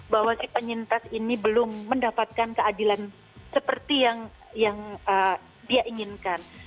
bahwa si penyintas ini belum mendapatkan keadilan seperti yang dia inginkan